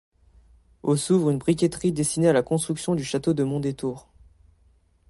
Au s'ouvre une briqueterie destinée à la construction du château de Mondétour.